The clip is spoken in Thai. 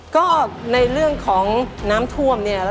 ก็ในเรื่องของน้ำท่วมเนี่ย